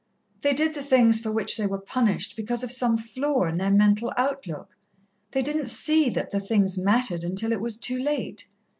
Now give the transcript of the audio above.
They did the things for which they were punished because of some flaw in their mental outlook they didn't see that the things mattered, until it was too late.